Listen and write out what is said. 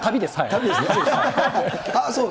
旅ですね。